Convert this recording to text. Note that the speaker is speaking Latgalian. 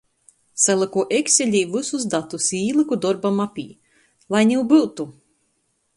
Salyku ekselī vysus datus i īlyku dorba mapē. Lai niu byutu!